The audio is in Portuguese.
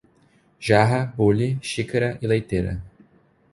Jarra, bule, xícara e leiteira